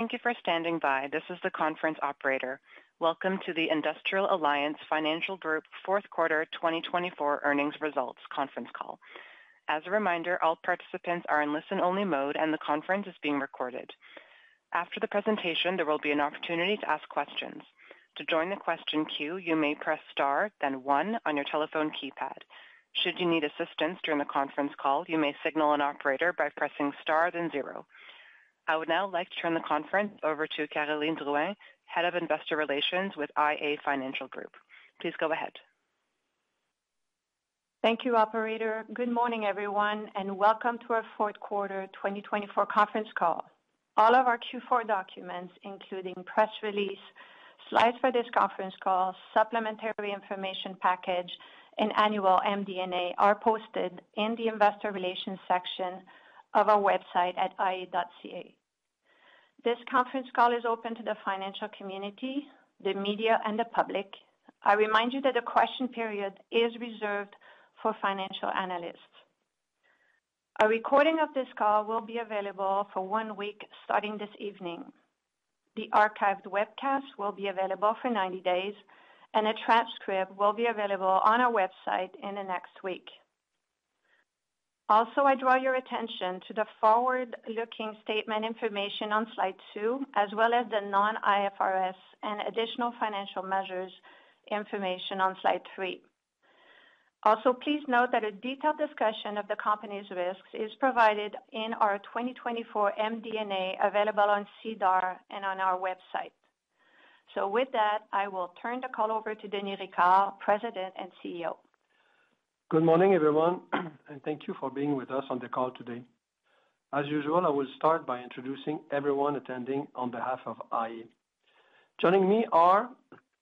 Thank you for standing by. This is the conference operator. Welcome to the Industrial Alias Financial Group Q4 2024 earnings results conference call. As a reminder, all participants are in listen-only mode, and the conference is being recorded. After the presentation, there will be an opportunity to ask questions. To join the question queue, you may press star, then one, on your telephone keypad. Should you need assistance during the conference call, you may signal an operator by pressing star, then zero. I would now like to turn the conference over to Caroline Drouin, Head of Investor Relations with iA Financial Group. Please go ahead. Thank you, Operator. Good morning, everyone, and welcome to our Q4 2024 conference call. All of our Q4 documents, including press release, slides for this conference call, supplementary information package, and annual MD&A, are posted in the Investor Relations section of our website at ia.ca. This conference call is open to the financial community, the media, and the public. I remind you that the question period is reserved for financial analysts. A recording of this call will be available for one week starting this evening. The archived webcast will be available for 90 days, and a transcript will be available on our website in the next week. Also, I draw your attention to the forward-looking statement information on slide two, as well as the non-IFRS and additional financial measures information on slide three. Also, please note that a detailed discussion of the company's risks is provided in our 2024 MD&A available on SEDAR+ and on our website. So, with that, I will turn the call over to Denis Ricard, President and CEO. Good morning, everyone, and thank you for being with us on the call today. As usual, I will start by introducing everyone attending on behalf of iA. Joining me are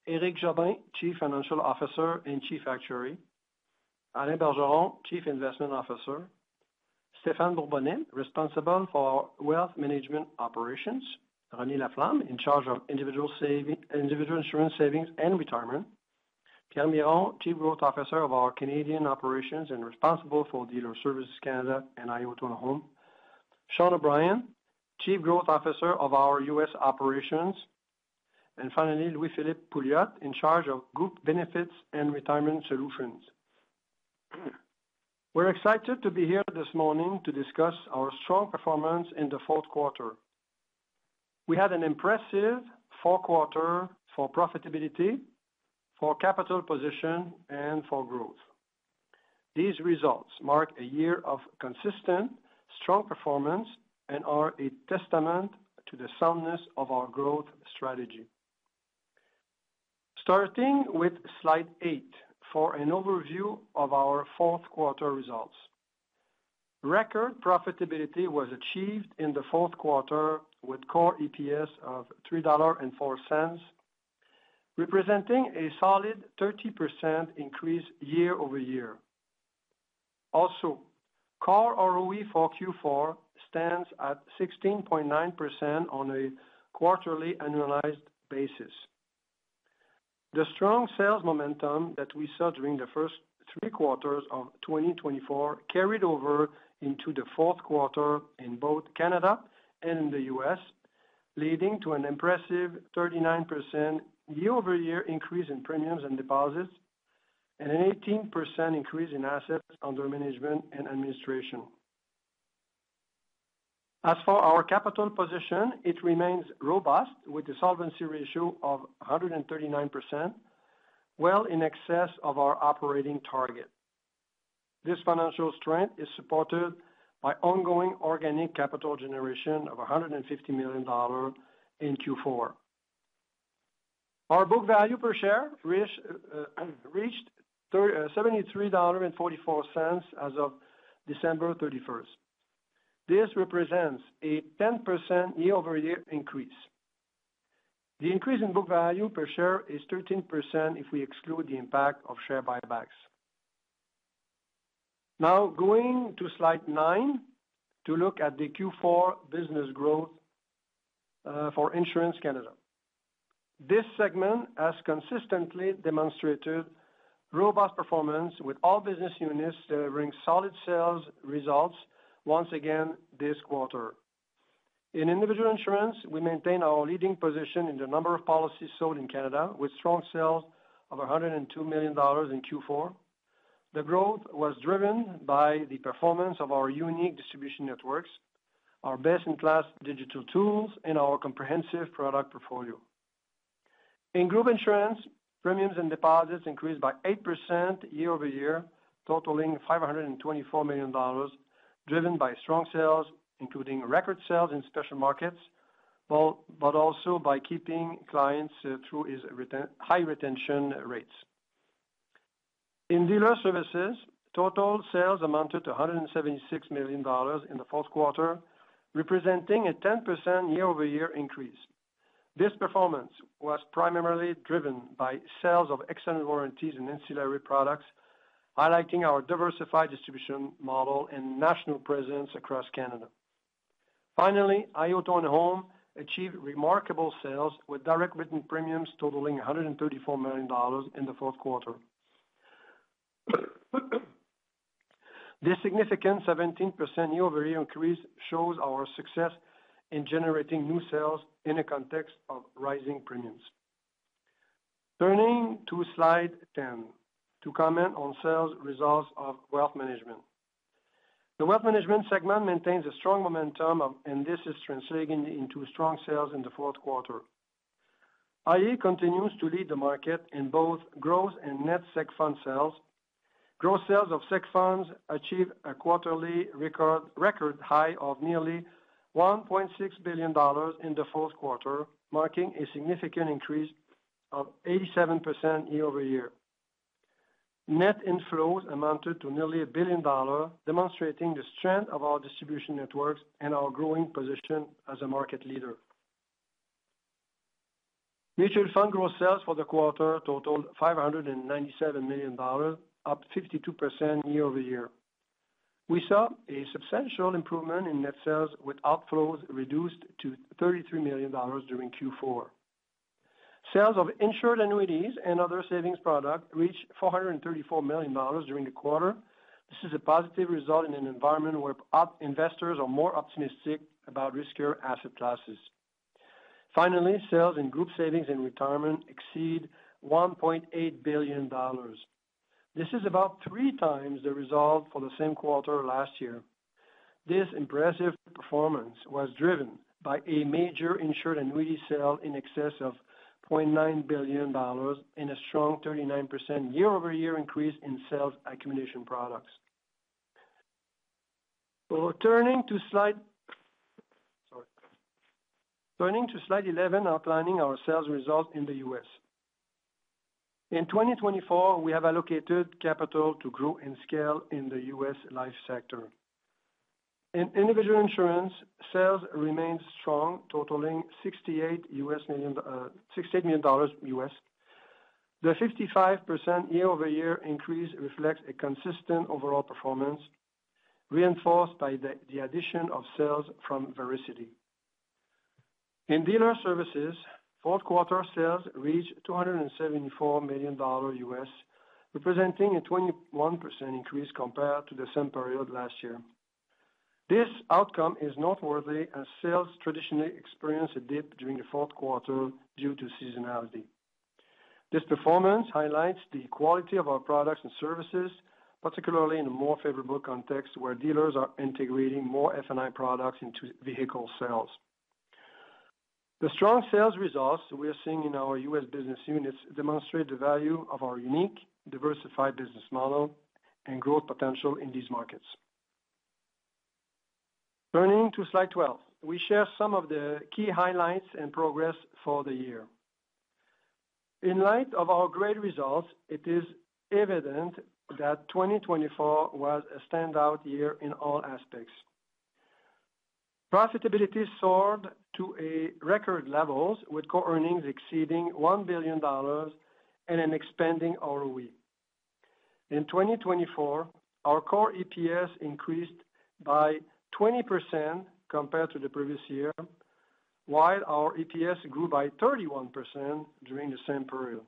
Éric Jobin, Chief Financial Officer and Chief Actuary, Alain Bergeron, Chief Investment Officer, Stephan Bourbonnais, Responsible for Wealth Management Operations, Renée Laflamme, in charge of Individual Insurance Savings and Retirement, Pierre Miron, Chief Growth Officer of our Canadian Operations and Responsible for Dealer Services Canada, and iA Autonome, Sean O'Brien, Chief Growth Officer of our US Operations, and finally, Louis-Philippe Pouliot, in charge of Group Benefits and Retirement Solutions. We're excited to be here this morning to discuss our strong performance in the Q4. We had an impressive Q4 for profitability, for capital position, and for growth. These results mark a year of consistent, strong performance and are a testament to the soundness of our growth strategy. Starting with slide eight for an overview of our Q4 results, record profitability was achieved in the Q4 with Core EPS of $3.04, representing a solid 30% increase year over year. Also, Core ROE for Q4 stands at 16.9% on a quarterly annualized basis. The strong sales momentum that we saw during the first Q3 of 2024 carried over into the Q4 in both Canada and in the US, leading to an impressive 39% year over year increase in premiums and deposits, and an 18% increase in assets under management and administration. As for our capital position, it remains robust with a solvency ratio of 139%, well in excess of our operating target. This financial strength is supported by ongoing organic capital generation of $150 million in Q4. Our book value per share reached $73.44 as of December 31st. This represents a 10% year over year increase. The increase in book value per share is 13% if we exclude the impact of share buybacks. Now, going to slide nine to look at the Q4 business growth for Insurance Canada. This segment has consistently demonstrated robust performance with all business units delivering solid sales results once again this quarter. In individual insurance, we maintain our leading position in the number of policies sold in Canada, with strong sales of $102 million in Q4. The growth was driven by the performance of our unique distribution networks, our best-in-class digital tools, and our comprehensive product portfolio. In group insurance, premiums and deposits increased by 8% year over year, totaling $524 million, driven by strong sales, including record sales in special markets, but also by keeping clients through high retention rates. In Dealer Services, total sales amounted to $176 million in the Q4, representing a 10% year over year increase. This performance was primarily driven by sales of extended warranties and ancillary products, highlighting our diversified distribution model and national presence across Canada. Finally, iA Autonome achieved remarkable sales with direct written premiums totaling $134 million in the Q4. This significant 17% year over year increase shows our success in generating new sales in a context of rising premiums. Turning to slide 10 to comment on sales results of Wealth Management. The Wealth Management segment maintains a strong momentum, and this is translating into strong sales in the Q4. iA continues to lead the market in both gross and net segregated fund sales. Gross sales of segregated funds achieved a quarterly record high of nearly $1.6 billion in the Q4, marking a significant increase of 87% year over year. Net inflows amounted to nearly $1 billion, demonstrating the strength of our distribution networks and our growing position as a market leader. Mutual fund gross sales for the quarter totaled $597 million, up 52% year over year. We saw a substantial improvement in net sales, with outflows reduced to $33 million during Q4. Sales of insured annuities and other savings products reached $434 million during the quarter. This is a positive result in an environment where investors are more optimistic about riskier asset classes. Finally, sales in group savings and retirement exceed $1.8 billion. This is about three times the result for the same quarter last year. This impressive performance was driven by a major insured annuity sale in excess of $0.9 billion and a strong 39% year over year increase in sales accumulation products. Turning to slide 11, outlining our sales results in the US In 2024, we have allocated capital to grow and scale in the US life sector. In individual insurance, sales remained strong, totaling $68 million. The 55% year over year increase reflects a consistent overall performance, reinforced by the addition of sales from Veracity. In dealer services, Q4 sales reached $274 million, representing a 21% increase compared to the same period last year. This outcome is noteworthy as sales traditionally experience a dip during the Q4 due to seasonality. This performance highlights the quality of our products and services, particularly in a more favorable context where dealers are integrating more F&I products into vehicle sales. The strong sales results we are seeing in our US business units demonstrate the value of our unique, diversified business model and growth potential in these markets. Turning to slide 12, we share some of the key highlights and progress for the year. In light of our great results, it is evident that 2024 was a standout year in all aspects. Profitability soared to record levels, with core earnings exceeding $1 billion and an expanding ROE. In 2024, our core EPS increased by 20% compared to the previous year, while our EPS grew by 31% during the same period.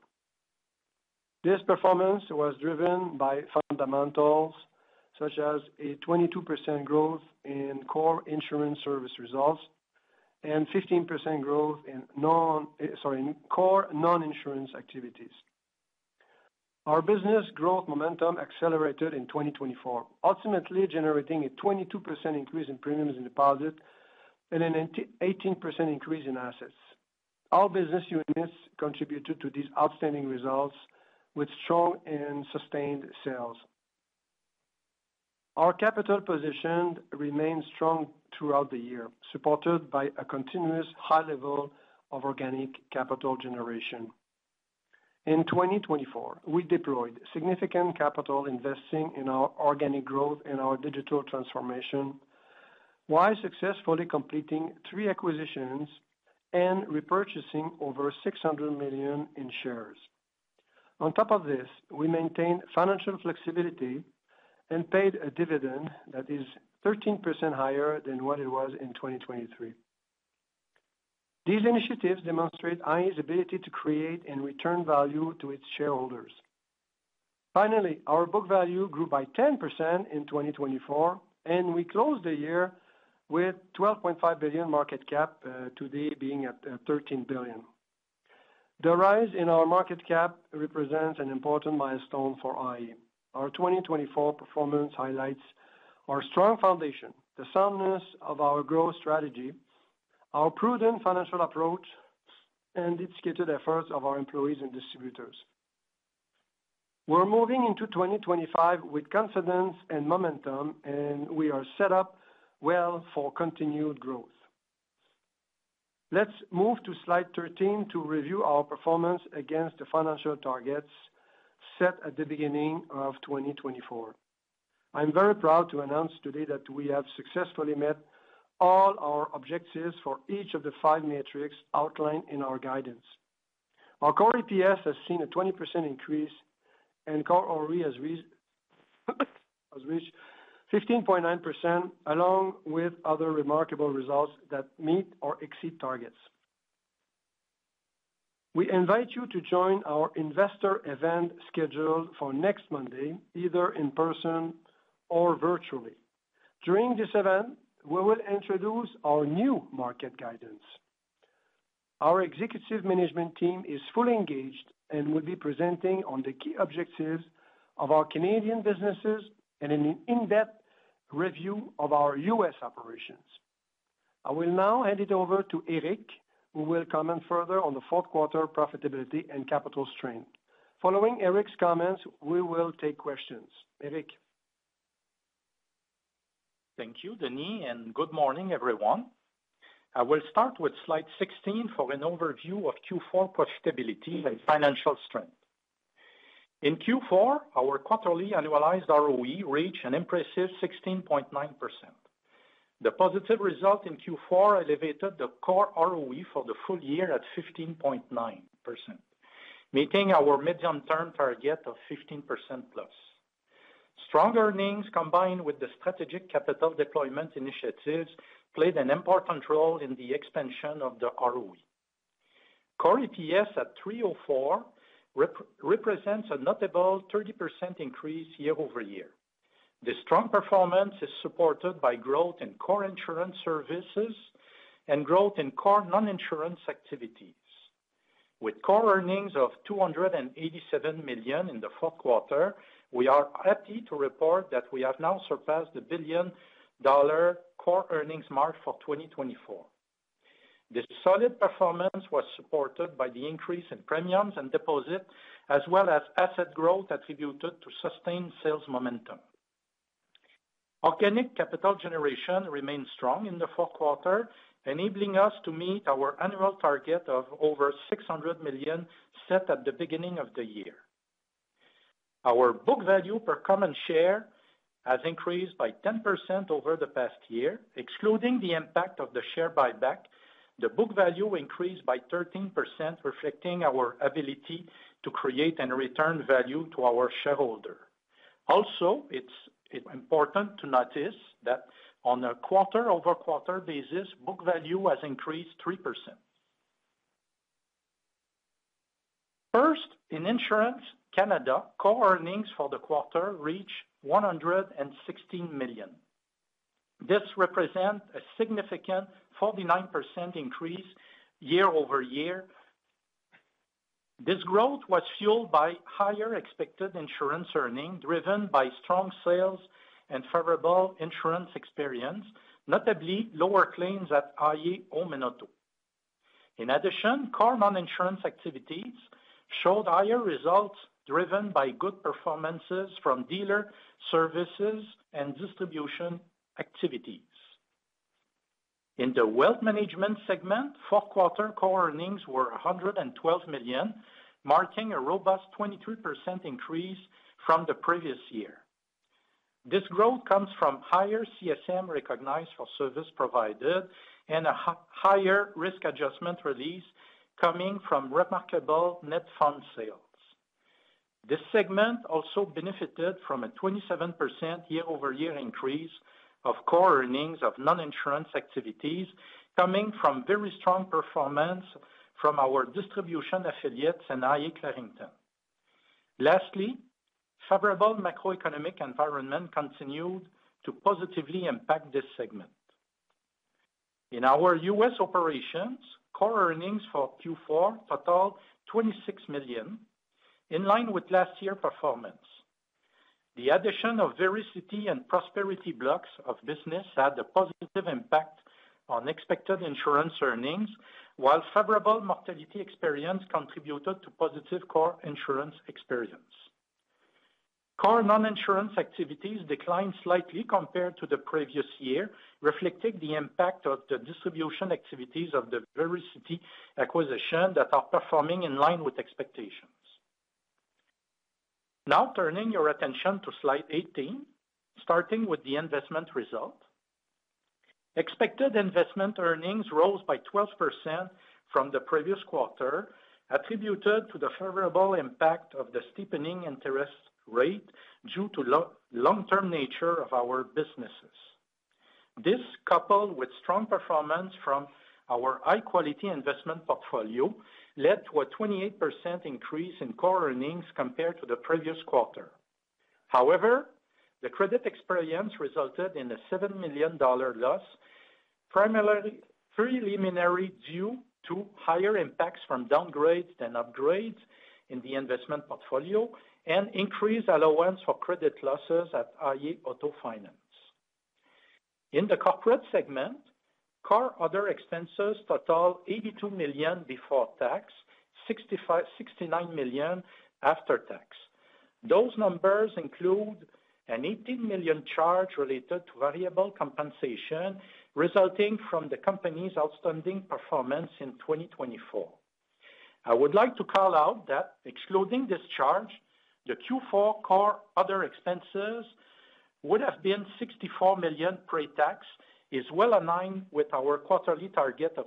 This performance was driven by fundamentals such as a 22% growth in core insurance service results and 15% growth in core non-insurance activities. Our business growth momentum accelerated in 2024, ultimately generating a 22% increase in premiums and deposits and an 18% increase in assets. All business units contributed to these outstanding results with strong and sustained sales. Our capital position remained strong throughout the year, supported by a continuous high level of organic capital generation. In 2024, we deployed significant capital investing in our organic growth and our digital transformation, while successfully completing three acquisitions and repurchasing over $600 million in shares. On top of this, we maintained financial flexibility and paid a dividend that is 13% higher than what it was in 2023. These initiatives demonstrate iA's ability to create and return value to its shareholders. Finally, our book value grew by 10% in 2024, and we closed the year with $12.5 billion market cap, today being at $13 billion. The rise in our market cap represents an important milestone for iA. Our 2024 performance highlights our strong foundation, the soundness of our growth strategy, our prudent financial approach, and the dedicated efforts of our employees and distributors. We're moving into 2025 with confidence and momentum, and we are set up well for continued growth. Let's move to slide 13 to review our performance against the financial targets set at the beginning of 2024. I'm very proud to announce today that we have successfully met all our objectives for each of the five metrics outlined in our guidance. Our Core EPS has seen a 20% increase, and Core ROE has reached 15.9%, along with other remarkable results that meet or exceed targets. We invite you to join our investor event scheduled for next Monday, either in person or virtually. During this event, we will introduce our new market guidance. Our executive management team is fully engaged and will be presenting on the key objectives of our Canadian businesses and an in-depth review of our US operations. I will now hand it over to Éric, who will comment further on the Q4 profitability and capital strength. Following Éric's comments, we will take questions. Éric. Thank you, Denis, and good morning, everyone. I will start with slide 16 for an overview of Q4 profitability and financial strength. In Q4, our quarterly annualized ROE reached an impressive 16.9%. The positive result in Q4 elevated the core ROE for the full year at 15.9%, meeting our medium-term target of 15%+. Strong earnings, combined with the strategic capital deployment initiatives, played an important role in the expansion of the ROE. Core EPS at $304 represents a notable 30% increase year over year. The strong performance is supported by growth in core insurance services and growth in core non-insurance activities. With core earnings of $287 million in the Q4, we are happy to report that we have now surpassed the billion-dollar core earnings mark for 2024. This solid performance was supported by the increase in premiums and deposits, as well as asset growth attributed to sustained sales momentum. Organic capital generation remained strong in the Q4, enabling us to meet our annual target of over $600 million set at the beginning of the year. Our book value per common share has increased by 10% over the past year. Excluding the impact of the share buyback, the book value increased by 13%, reflecting our ability to create and return value to our shareholders. Also, it's important to notice that on a quarter-over-quarter basis, book value has increased 3%. First, in Insurance Canada, core earnings for the quarter reached $116 million. This represents a significant 49% increase year over year. This growth was fueled by higher expected insurance earnings, driven by strong sales and favorable insurance experience, notably lower claims at iA Auto & Home. In addition, core non-insurance activities showed higher results, driven by good performances from dealer services and distribution activities. In the Wealth Management segment, Q4 core earnings were $112 million, marking a robust 23% increase from the previous year. This growth comes from higher CSM recognized for service provided and a higher risk adjustment release coming from remarkable net fund sales. This segment also benefited from a 27% year-over-year increase of core earnings of non-insurance activities, coming from very strong performance from our distribution affiliates and iA Clarington. Lastly, favorable macroeconomic environment continued to positively impact this segment. In our US operations, core earnings for Q4 totaled $26 million, in line with last year's performance. The addition of Veracity and Prosperity blocks of business had a positive impact on expected insurance earnings, while favorable mortality experience contributed to positive core insurance experience. Core non-insurance activities declined slightly compared to the previous year, reflecting the impact of the distribution activities of the Veracity acquisition that are performing in line with expectations. Now, turning your attention to slide 18, starting with the investment result. Expected investment earnings rose by 12% from the previous quarter, attributed to the favorable impact of the steepening interest rate due to the long-term nature of our businesses. This, coupled with strong performance from our high-quality investment portfolio, led to a 28% increase in core earnings compared to the previous quarter. However, the credit experience resulted in a $7 million loss, primarily preliminary due to higher impacts from downgrades than upgrades in the investment portfolio and increased allowance for credit losses at iA Auto Finance. In the corporate segment, core other expenses totaled $82 million before tax and $69 million after tax. Those numbers include a $18 million charge related to variable compensation resulting from the company's outstanding performance in 2024. I would like to call out that, excluding this charge, the Q4 core other expenses would have been $64 million pre-tax, is well aligned with our quarterly target of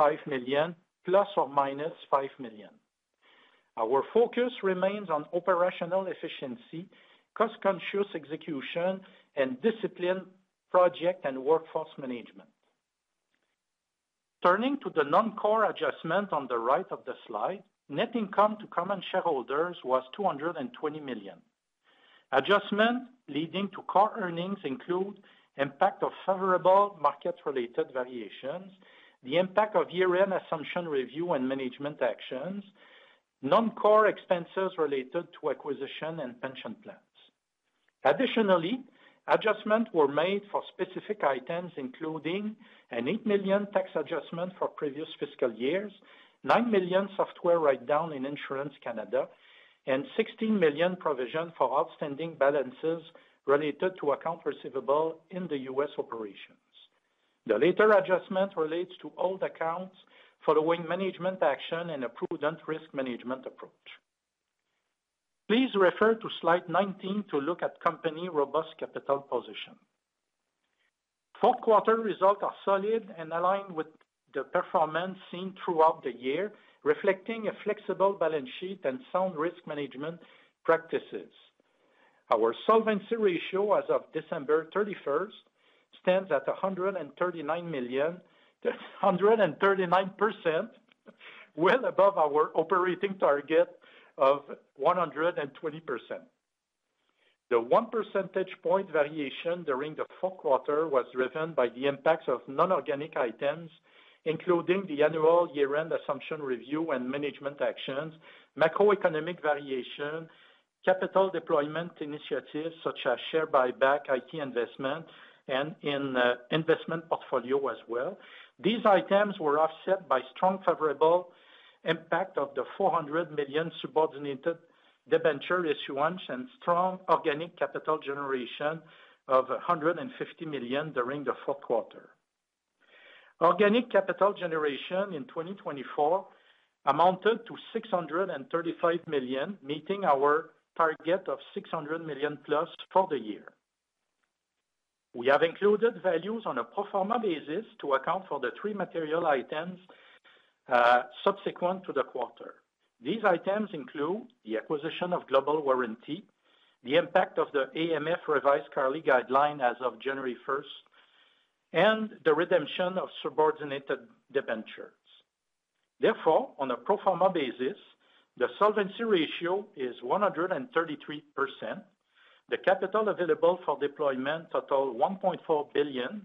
$65 million, ±$ 5 million. Our focus remains on operational efficiency, cost-conscious execution, and disciplined project and workforce management. Turning to the non-core adjustment on the right of the slide, net income to common shareholders was $220 million. Adjustments leading to core earnings include the impact of favorable market-related variations, the impact of year-end assumption review and management actions, and non-core expenses related to acquisition and pension plans. Additionally, adjustments were made for specific items, including a $8 million tax adjustment for previous fiscal years, $9 million software write-down in Insurance Canada, and $16 million provision for outstanding balances related to accounts receivable in the US operations. The latter adjustment relates to old accounts following management action and a prudent risk management approach. Please refer to slide 19 to look at the company's robust capital position. Q4 results are solid and aligned with the performance seen throughout the year, reflecting a flexible balance sheet and sound risk management practices. Our solvency ratio as of December 31 stands at 139%, well above our operating target of 120%. The one percentage point variation during the Q4 was driven by the impacts of non-organic items, including the annual year-end assumption review and management actions, macroeconomic variation, capital deployment initiatives such as share buyback, IT investment, and in investment portfolio as well. These items were offset by strong favorable impact of the $400 million subordinated debenture issuance and strong organic capital generation of $150 million during the Q4. Organic capital generation in 2024 amounted to $635 million, meeting our target of $600 million+ for the year. We have included values on a pro forma basis to account for the three material items subsequent to the quarter. These items include the acquisition of Global Warranty, the impact of the AMF revised CARLI guideline as of January 1, and the redemption of subordinated debentures. Therefore, on a pro forma basis, the solvency ratio is 133%, the capital available for deployment totaled $1.4 billion,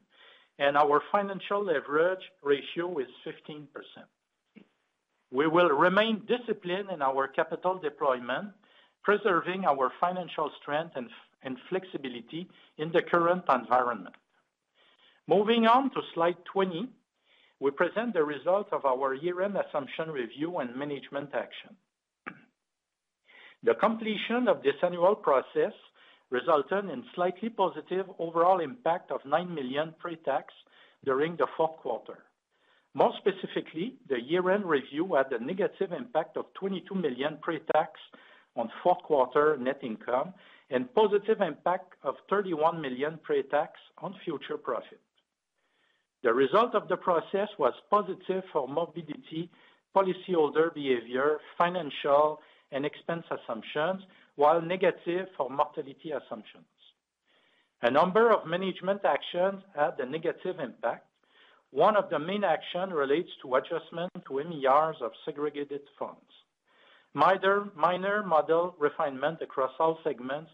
and our financial leverage ratio is 15%. We will remain disciplined in our capital deployment, preserving our financial strength and flexibility in the current environment. Moving on to slide 20, we present the results of our year-end assumption review and management action. The completion of this annual process resulted in a slightly positive overall impact of $9 million pre-tax during the Q4. More specifically, the year-end review had a negative impact of $22 million pre-tax on Q4 net income and a positive impact of $31 million pre-tax on future profit. The result of the process was positive for morbidity, policyholder behavior, financial, and expense assumptions, while negative for mortality assumptions. A number of management actions had a negative impact. One of the main actions relates to adjustment to MERs of segregated funds. Minor model refinements across all segments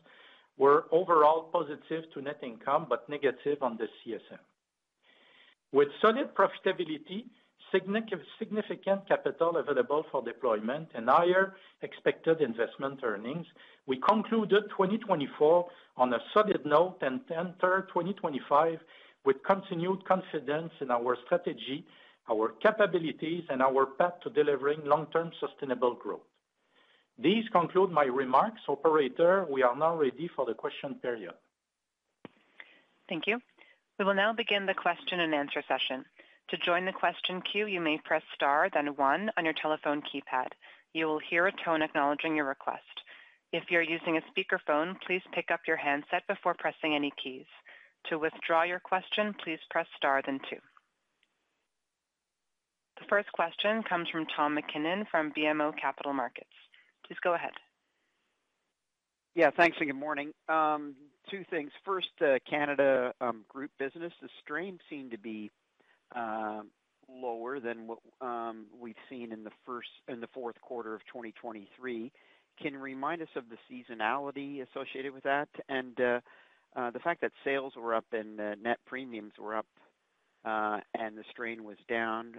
were overall positive to net income but negative on the CSM. With solid profitability, significant capital available for deployment, and higher expected investment earnings, we concluded 2024 on a solid note and enter 2025 with continued confidence in our strategy, our capabilities, and our path to delivering long-term sustainable growth. These conclude my remarks. Operator, we are now ready for the question period. Thank you. We will now begin the question and answer session. To join the question queue, you may press Star, then 1 on your telephone keypad. You will hear a tone acknowledging your request. If you're using a speakerphone, please pick up your handset before pressing any keys. To withdraw your question, please press Star, then 2. The first question comes from Tom McKinnon from BMO Capital Markets. Please go ahead. Yeah, thanks, and good morning. Two things. First, the Canada Group business, the strain seemed to be lower than what we've seen in the Q4 of 2023. Can you remind us of the seasonality associated with that and the fact that sales were up and net premiums were up and the strain was down?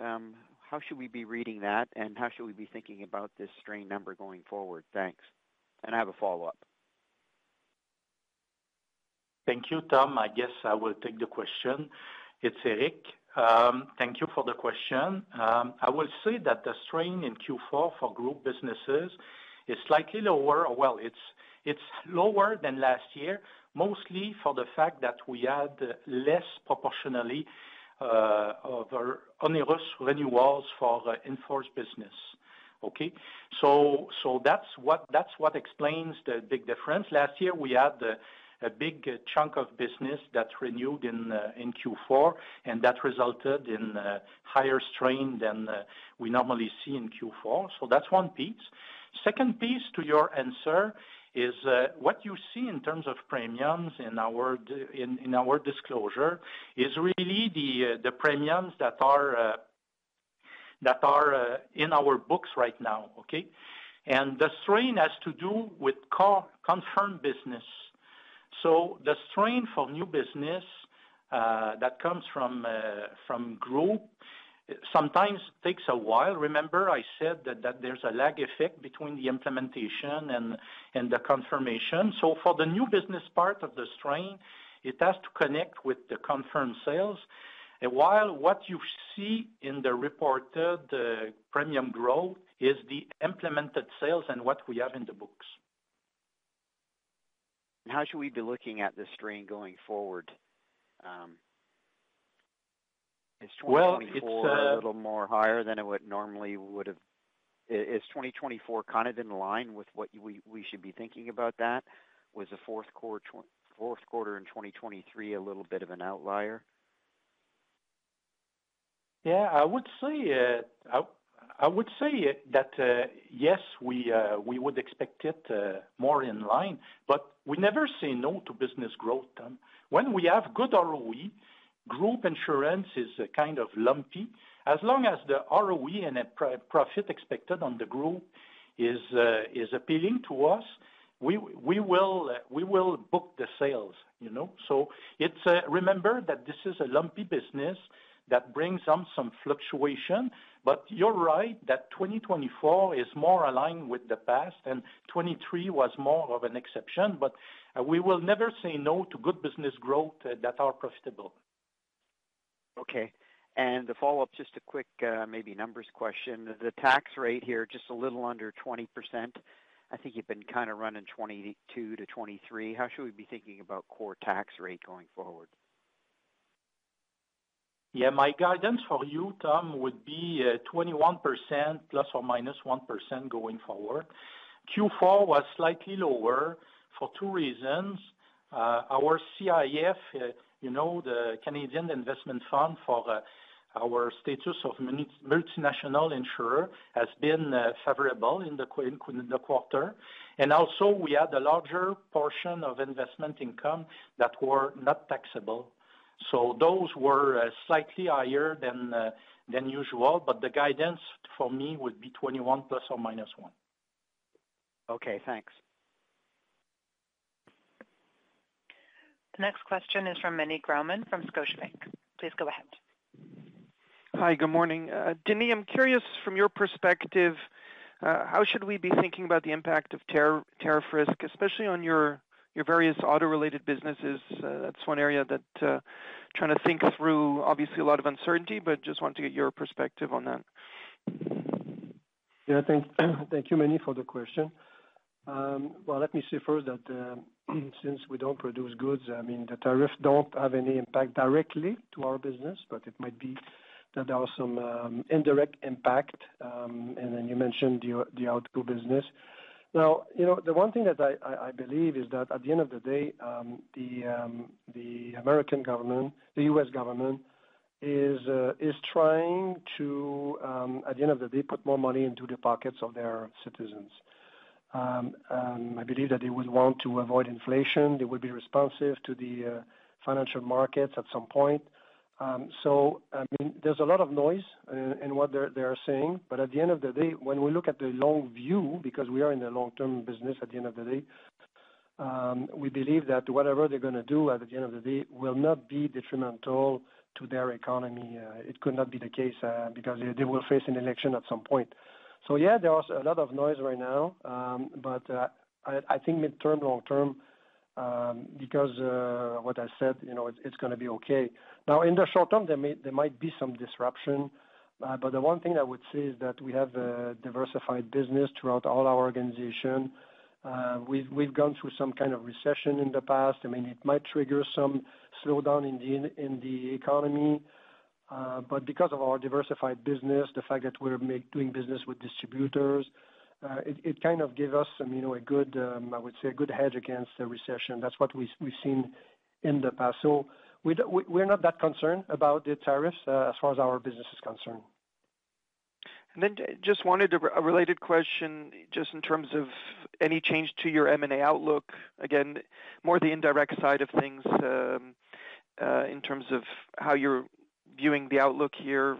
How should we be reading that, and how should we be thinking about this strain number going forward? Thanks. And I have a follow-up. Thank you, Tom. I guess I will take the question. It's Éric. Thank you for the question. I will say that the strain in Q4 for group businesses is slightly lower. It's lower than last year, mostly for the fact that we had less proportionally of onerous renewals for in-force business. Okay? That's what explains the big difference. Last year, we had a big chunk of business that renewed in Q4, and that resulted in higher strain than we normally see in Q4. That's one piece. Second piece to your answer is what you see in terms of premiums in our disclosure is really the premiums that are in our books right now. Okay? And the strain has to do with confirmed business. The strain for new business that comes from group sometimes takes a while. Remember, I said that there's a lag effect between the implementation and the confirmation. So for the new business part of the strain, it has to connect with the confirmed sales. And while what you see in the reported premium growth is the implemented sales and what we have in the books. How should we be looking at the strain going forward? Is 2024 a little more higher than it normally would have? Is 2024 kind of in line with what we should be thinking about that? Was the Q4 in 2023 a little bit of an outlier? Yeah, I would say that, yes, we would expect it more in line, but we never say no to business growth, Tom. When we have good ROE, group insurance is kind of lumpy. As long as the ROE and profit expected on the group is appealing to us, we will book the sales. So remember that this is a lumpy business that brings on some fluctuation. But you're right that 2024 is more aligned with the past, and 2023 was more of an exception. But we will never say no to good business growth that are profitable. Okay. And the follow-up, just a quick maybe numbers question. The tax rate here is just a little under 20%. I think you've been kind of running 2022 to 2023. How should we be thinking about core tax rate going forward? Yeah, my guidance for you, Tom, would be 21% ± 1% going forward. Q4 was slightly lower for two reasons. Our CIF, the Canadian Investment Fund for our status of multinational insurer, has been favorable in the quarter. And also, we had a larger portion of investment income that were not taxable. So those were slightly higher than usual. But the guidance for me would be 21 ±1. Okay, thanks. The next question is from Meny Grauman from Scotiabank. Please go ahead. Hi, good morning. Denis, I'm curious, from your perspective, how should we be thinking about the impact of tariff risk, especially on your various auto-related businesses? That's one area that I'm trying to think through. Obviously, a lot of uncertainty, but just want to get your perspective on that. Yeah, thank you, Meny, for the question. Well, let me say first that since we don't produce goods, I mean, the tariffs don't have any impact directly to our business, but it might be that there are some indirect impacts. And then you mentioned the auto business. Now, the one thing that I believe is that at the end of the day, the American government, the US government, is trying to, at the end of the day, put more money into the pockets of their citizens. I believe that they would want to avoid inflation. They would be responsive to the financial markets at some point. So, I mean, there's a lot of noise in what they are saying. But at the end of the day, when we look at the long view, because we are in the long-term business at the end of the day, we believe that whatever they're going to do at the end of the day will not be detrimental to their economy. It could not be the case because they will face an election at some point. So, yeah, there is a lot of noise right now, but I think midterm, long-term, because what I said, it's going to be okay. Now, in the short term, there might be some disruption. But the one thing I would say is that we have a diversified business throughout all our organization. We've gone through some kind of recession in the past. I mean, it might trigger some slowdown in the economy. But because of our diversified business, the fact that we're doing business with distributors, it kind of gave us a good, I would say, a good hedge against the recession. That's what we've seen in the past. So we're not that concerned about the tariffs as far as our business is concerned. And then just wanted a related question just in terms of any change to your M&A outlook. Again, more the indirect side of things in terms of how you're viewing the outlook here.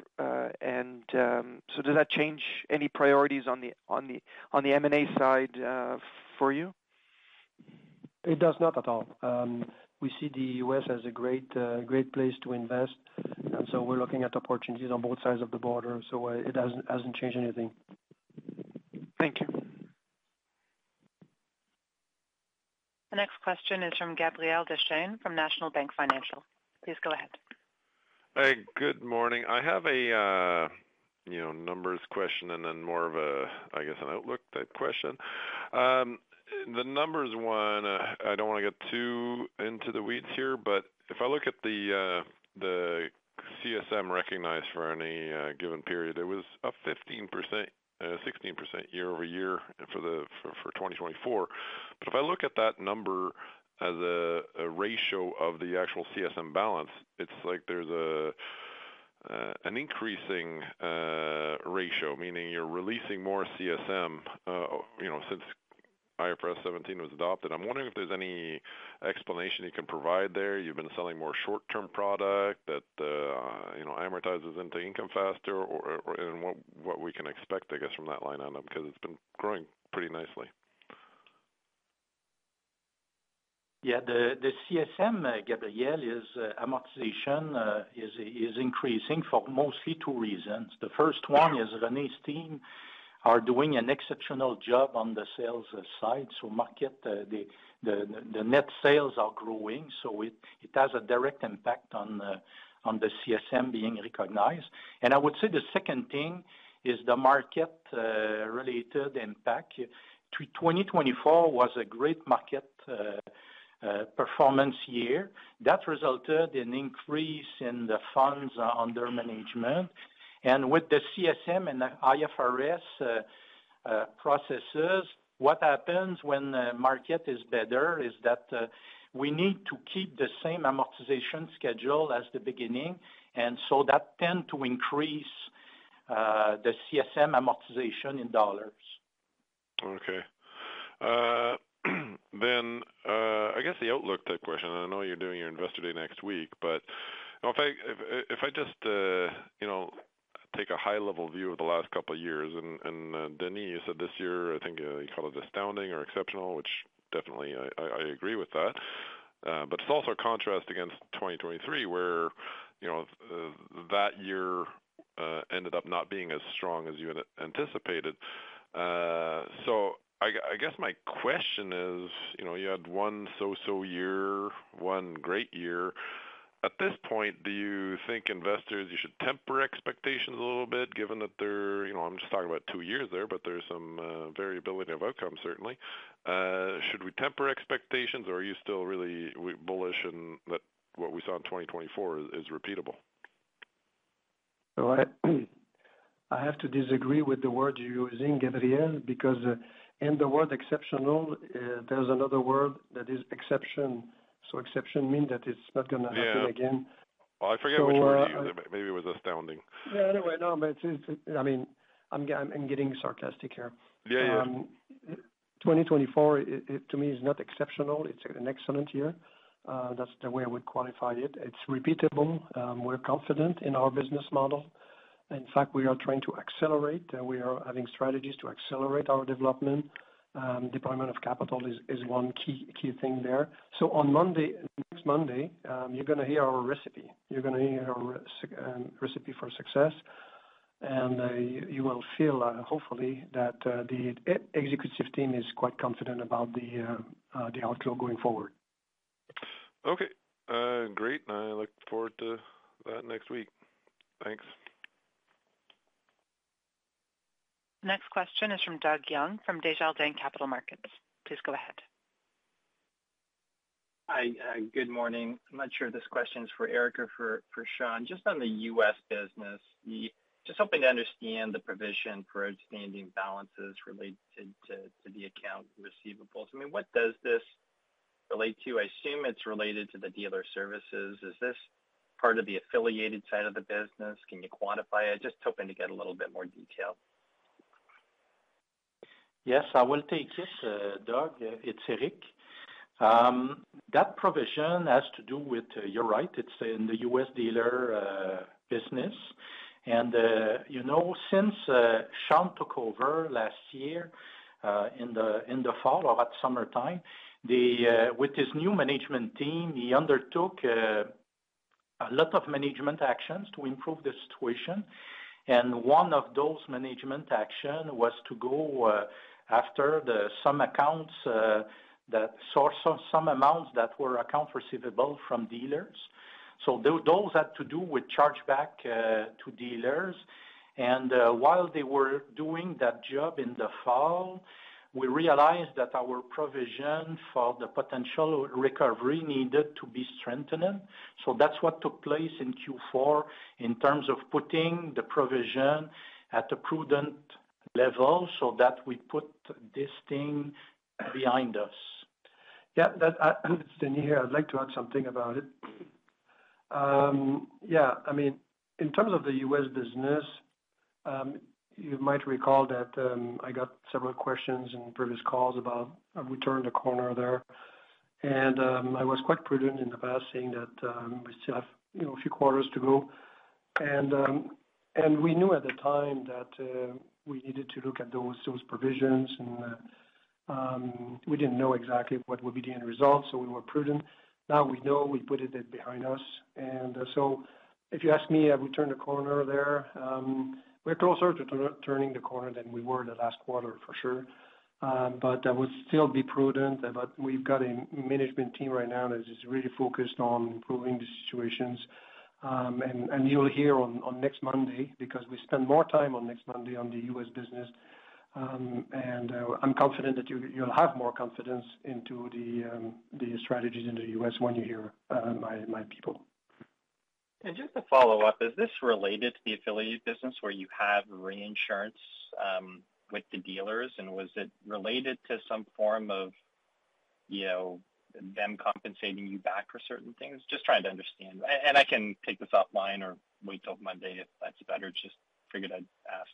And so does that change any priorities on the M&A side for you? It does not at all. We see the US as a great place to invest. And so we're looking at opportunities on both sides of the border. So it hasn't changed anything. Thank you. The next question is from Gabriel Dechaine from National Bank Financial. Please go ahead. Hi, good morning. I have a numbers question and then more of a, I guess, an outlook type question. The numbers one, I don't want to get too into the weeds here, but if I look at the CSM recognized for any given period, it was a 15%-16% year over year for 2024. But if I look at that number as a ratio of the actual CSM balance, it's like there's an increasing ratio, meaning you're releasing more CSM since IFRS 17 was adopted. I'm wondering if there's any explanation you can provide there. You've been selling more short-term product that amortizes into income faster and what we can expect, I guess, from that line item because it's been growing pretty nicely. Yeah, the CSM amortization, Gabriel, is increasing for mostly two reasons. The first one is Renée's team are doing an exceptional job on the sales side. So market, the net sales are growing. So it has a direct impact on the CSM being recognized. And I would say the second thing is the market-related impact. 2024 was a great market performance year. That resulted in an increase in the funds under management. And with the CSM and IFRS processes, what happens when the market is better is that we need to keep the same amortization schedule as the beginning. And so that tends to increase the CSM amortization in dollars. Okay. Then I guess the outlook type question, and I know you're doing your investor day next week, but if I just take a high-level view of the last couple of years, and Denis, you said this year, I think you called it astounding or exceptional, which definitely I agree with that. But it's also a contrast against 2023, where that year ended up not being as strong as you anticipated. So I guess my question is, you had one so-so year, one great year. At this point, do you think investors, you should temper expectations a little bit, given that they're. I'm just talking about two years there, but there's some variability of outcome, certainly. Should we temper expectations, or are you still really bullish that what we saw in 2024 is repeatable? I have to disagree with the word you're using, Gabriel, because in the word exceptional, there's another word that is exception. So exception means that it's not going to happen again. I forget which word you used. Maybe it was astounding. Yeah, anyway, no, but I mean, I'm getting sarcastic here. Yeah, yeah. 2024, to me, is not exceptional. It's an excellent year. That's the way I would qualify it. It's repeatable. We're confident in our business model. In fact, we are trying to accelerate, and we are having strategies to accelerate our development. Deployment of capital is one key thing there, so on Monday, next Monday, you're going to hear our recipe. You're going to hear our recipe for success, and you will feel, hopefully, that the executive team is quite confident about the outlook going forward. Okay. Great. I look forward to that next week. Thanks. The next question is from Doug Young from Desjardins Capital Markets. Please go ahead. Hi, good morning. I'm not sure if this question is for Éric or for Sean. Just on the US business, just hoping to understand the provision for outstanding balances related to the accounts receivable. I mean, what does this relate to? I assume it's related to the dealer services. Is this part of the affiliated side of the business? Can you quantify it? Just hoping to get a little bit more detail. Yes, I will take it, Doug. It's Éric. That provision has to do with, you're right, it's in the US dealer business, and since Sean took over last year in the fall or at summertime, with his new management team, he undertook a lot of management actions to improve the situation, and one of those management actions was to go after some accounts, some amounts that were account receivables from dealers, so those had to do with chargeback to dealers, and while they were doing that job in the fall, we realized that our provision for the potential recovery needed to be strengthened, so that's what took place in Q4 in terms of putting the provision at a prudent level so that we put this thing behind us. Yeah, Denis here, I'd like to add something about it. Yeah, I mean, in terms of the US business, you might recall that I got several questions in previous calls about turning the corner there. And I was quite prudent in the past, saying that we still have a few quarters to go. And we knew at the time that we needed to look at those provisions. And we didn't know exactly what would be the end result, so we were prudent. Now we know we put it behind us. And so if you ask me [about] turning the corner there, we're closer to turning the corner than we were the last quarter, for sure. But I would still be prudent. But we've got a management team right now that is really focused on improving the situations. And you'll hear on next Monday because we spend more time on next Monday on the US business. And I'm confident that you'll have more confidence into the strategies in the US when you hear my people. And just to follow up, is this related to the affiliate business where you have reinsurance with the dealers? And was it related to some form of them compensating you back for certain things? Just trying to understand. And I can take this offline or wait till Monday if that's better. Just figured I'd ask.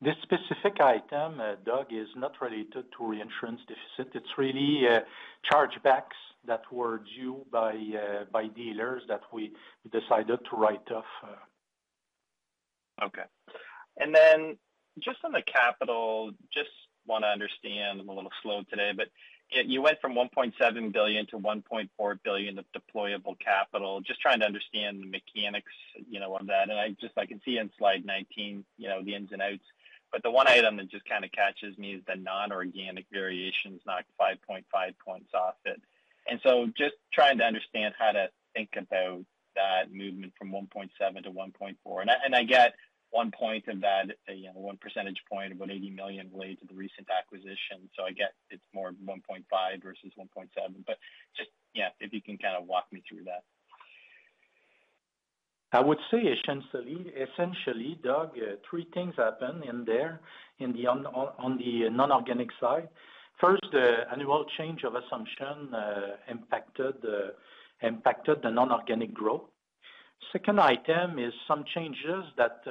This specific item, Doug, is not related to reinsurance deficit. It's really chargebacks that were due by dealers that we decided to write off. Okay. And then just on the capital, I just want to understand. I'm a little slow today, but you went from $1.7 billion to $1.4 billion of deployable capital. Just trying to understand the mechanics of that. And I can see in slide 19 the ins and outs. But the one item that just kind of catches me is the non-organic variations knocked 5.5 points off it. And so just trying to understand how to think about that movement from $1.7 billion-$1.4 billion. And I get one point of that, one percentage point of $80 million related to the recent acquisition. So I get it's more $1.5 billion versus $1.7 billion. But just, yeah, if you can kind of walk me through that. I would say essentially, Doug, three things happened in there on the non-organic side. First, the annual change of assumption impacted the non-organic growth. Second item is some changes that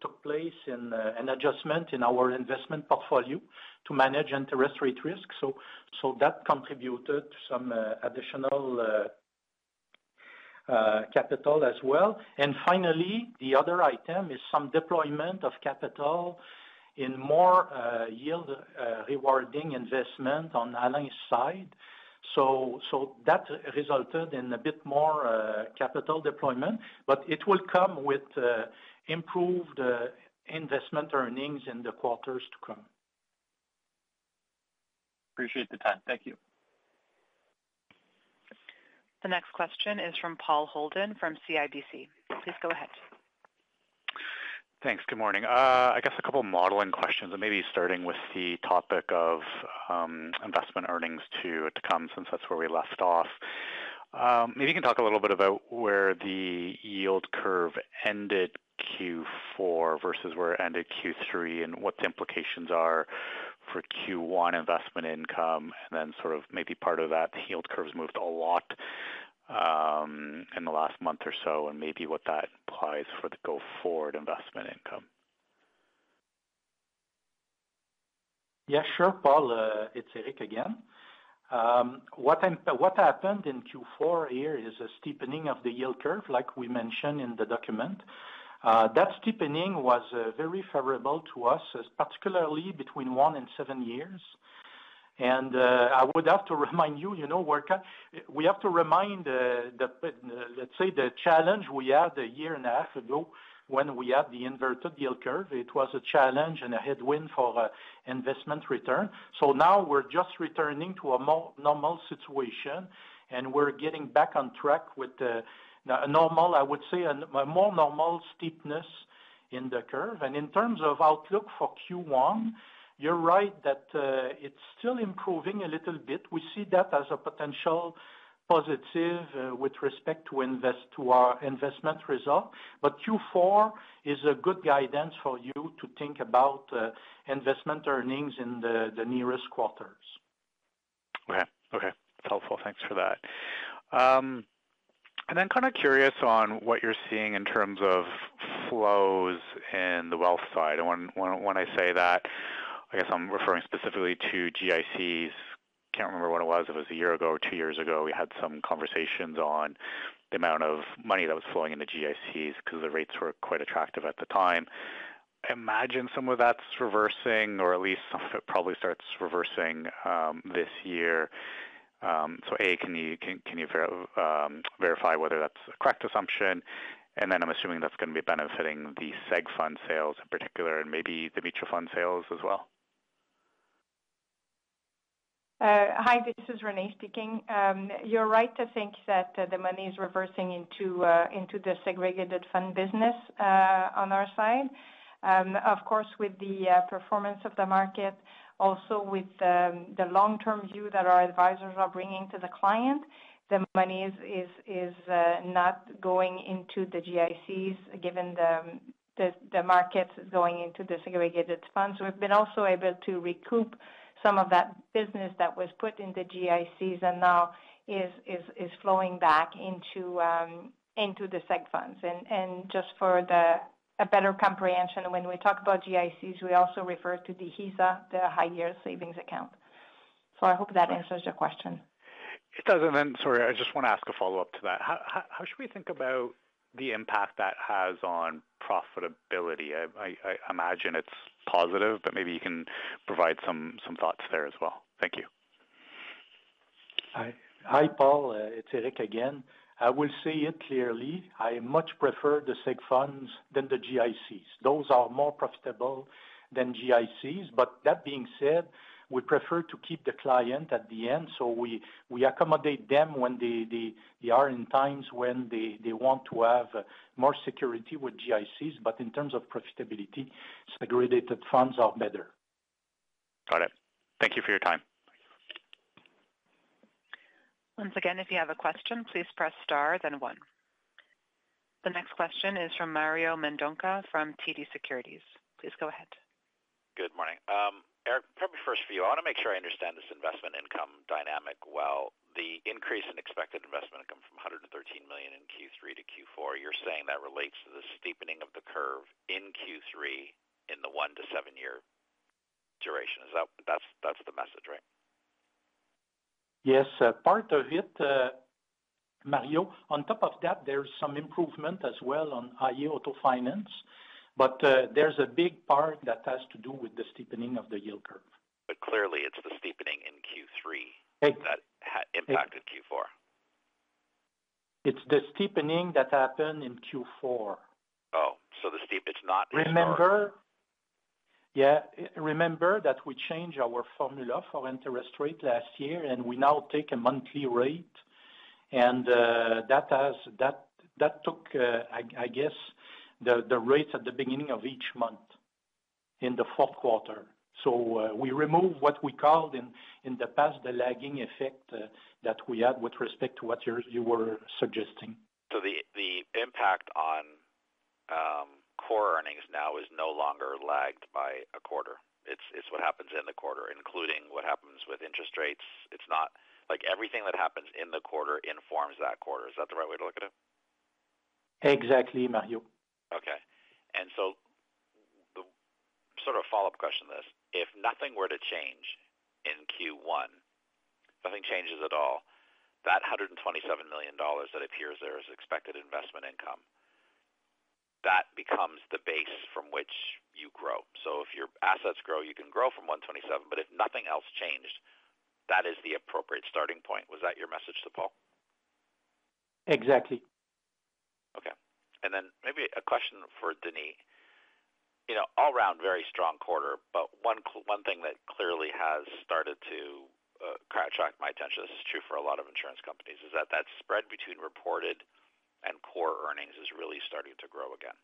took place in an adjustment in our investment portfolio to manage interest rate risk. So that contributed to some additional capital as well. And finally, the other item is some deployment of capital in more yield-rewarding investment on Alliance side. So that resulted in a bit more capital deployment. But it will come with improved investment earnings in the quarters to come. Appreciate the time. Thank you. The next question is from Paul Holden from CIBC. Please go ahead. Thanks. Good morning. I guess a couple of modeling questions. And maybe starting with the topic of investment earnings to come since that's where we left off. Maybe you can talk a little bit about where the yield curve ended Q4 versus where it ended Q3 and what the implications are for Q1 investment income. And then sort of maybe part of that yield curve has moved a lot in the last month or so and maybe what that implies for the go forward investment income. Yeah, sure. Paul, it's Éric again. What happened in Q4 here is a steepening of the yield curve, like we mentioned in the document. That steepening was very favorable to us, particularly between one and seven years, and I would have to remind you, we have to remind that, let's say, the challenge we had a year and a half ago when we had the inverted yield curve, it was a challenge and a headwind for investment return, so now we're just returning to a more normal situation, and we're getting back on track with a normal, I would say, a more normal steepness in the curve, and in terms of outlook for Q1, you're right that it's still improving a little bit. We see that as a potential positive with respect to our investment result. But Q4 is a good guidance for you to think about investment earnings in the nearest quarters. Okay. Okay. That's helpful. Thanks for that. And then kind of curious on what you're seeing in terms of flows in the wealth side. And when I say that, I guess I'm referring specifically to GICs. Can't remember what it was. It was a year ago or two years ago. We had some conversations on the amount of money that was flowing into GICs because the rates were quite attractive at the time. Imagine some of that's reversing, or at least some of it probably starts reversing this year. So A, can you verify whether that's a correct assumption? And then I'm assuming that's going to be benefiting the Seg Fund sales in particular and maybe the mutual fund sales as well. Hi, this is Renée speaking. You're right to think that the money is reversing into the segregated fund business on our side. Of course, with the performance of the market, also with the long-term view that our advisors are bringing to the client, the money is not going into the GICs given the market is going into the segregated funds. We've been also able to recoup some of that business that was put in the GICs and now is flowing back into the segregated funds. And just for a better comprehension, when we talk about GICs, we also refer to the HISA, the high interest savings account. So I hope that answers your question. It does. And then, sorry, I just want to ask a follow-up to that. How should we think about the impact that has on profitability? I imagine it's positive, but maybe you can provide some thoughts there as well. Thank you. Hi, Paul. It's Éric again. I will say it clearly. I much prefer the Seg Funds than the GICs. Those are more profitable than GICs. But that being said, we prefer to keep the client at the end. So we accommodate them when they are in times when they want to have more security with GICs. But in terms of profitability, segregated funds are better. Got it. Thank you for your time. Once again, if you have a question, please press star, then one. The next question is from Mario Mendonca from TD Securities. Please go ahead. Good morning. Éric, probably first for you. I want to make sure I understand this investment income dynamic well. The increase in expected investment income from $113 million in Q3 to Q4, you're saying that relates to the steepening of the curve in Q3 in the one to seven-year duration. That's the message, right? Yes, part of it, Mario. On top of that, there's some improvement as well on iA Auto Finance. But there's a big part that has to do with the steepening of the yield curve. But clearly, it's the steepening in Q3 that impacted Q4. It's the steepening that happened in Q4. Oh, so it's not. Remember that we changed our formula for interest rate last year, and we now take a monthly rate. And that took, I guess, the rates at the beginning of each month in the Q4. So we remove what we called in the past the lagging effect that we had with respect to what you were suggesting. So the impact on core earnings now is no longer lagged by a quarter. It's what happens in the quarter, including what happens with interest rates. Everything that happens in the quarter informs that quarter. Is that the right way to look at it? Exactly, Mario. Okay. And so sort of a follow-up question to this. If nothing were to change in Q1, if nothing changes at all, that $127 million that appears there as expected investment income, that becomes the base from which you grow. So if your assets grow, you can grow from $127 milio. But if nothing else changed, that is the appropriate starting point. Was that your message to Paul? Exactly. Okay. And then maybe a question for Denis. All around, very strong quarter. But one thing that clearly has started to catch my attention, this is true for a lot of insurance companies, is that that spread between reported and core earnings is really starting to grow again.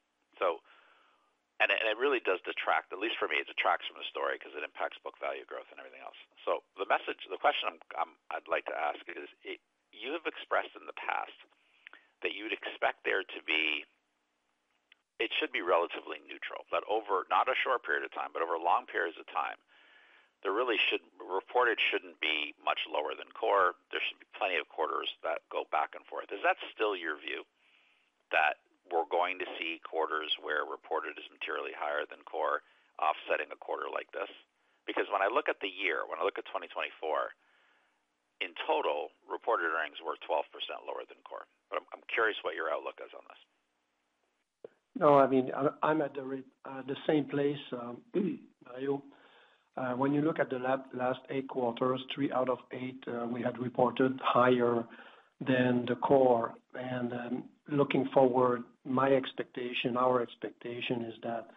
And it really does detract, at least for me, it detracts from the story because it impacts book value growth and everything else. So the question I'd like to ask is, you have expressed in the past that you'd expect there to be, it should be relatively neutral, that over not a short period of time, but over long periods of time, the reported shouldn't be much lower than core. There should be plenty of quarters that go back and forth. Is that still your view, that we're going to see quarters where reported is materially higher than core offsetting a quarter like this? Because when I look at the year, when I look at 2024, in total, reported earnings were 12% lower than core. But I'm curious what your outlook is on this? No, I mean, I'm at the same place, Mario. When you look at the last eight quarters, three out of eight, we had reported higher than the core. And looking forward, my expectation, our expectation is that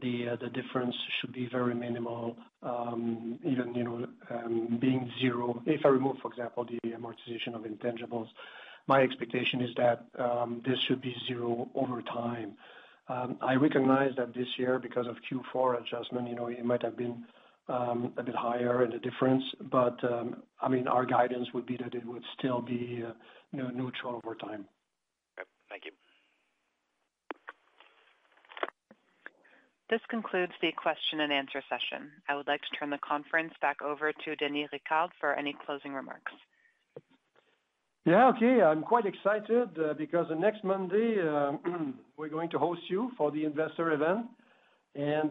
the difference should be very minimal, being zero. If I remove, for example, the amortization of intangibles, my expectation is that this should be zero over time. I recognize that this year, because of Q4 adjustment, it might have been a bit higher in the difference. But I mean, our guidance would be that it would still be neutral over time. Okay. Thank you. This concludes the question and answer session. I would like to turn the conference back over to Denis Ricard for any closing remarks. Yeah, okay. I'm quite excited because next Monday, we're going to host you for the investor event. And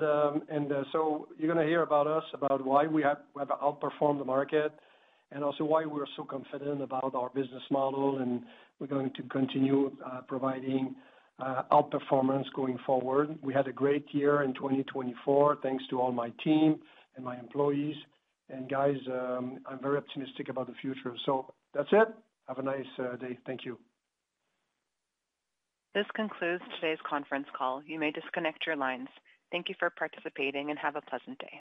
so you're going to hear about us, about why we have outperformed the market, and also why we're so confident about our business model. And we're going to continue providing outperformance going forward. We had a great year in 2024, thanks to all my team and my employees. And guys, I'm very optimistic about the future. So that's it. Have a nice day. Thank you. This concludes today's conference call. You may disconnect your lines. Thank you for participating and have a pleasant day.